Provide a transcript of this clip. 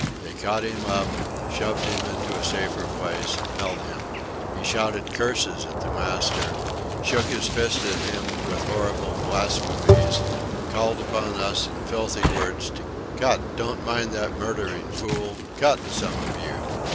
They caught him up, shoved him into a safer place, held him. He shouted curses at the master, shook his fist at him with horrible blasphemies, called upon us in filthy words to "Cut! Don't mind that murdering fool! Cut, some of you!"